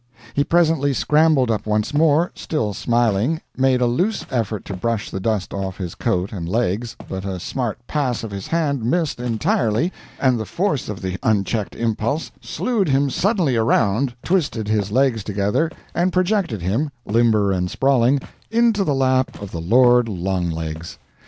He presently scrambled up once more, still smiling, made a loose effort to brush the dust off his coat and legs, but a smart pass of his hand missed entirely, and the force of the unchecked impulse slewed him suddenly around, twisted his legs together, and projected him, limber and sprawling, into the lap of the Lord Longlegs.